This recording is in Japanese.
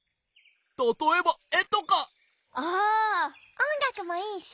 おんがくもいいし。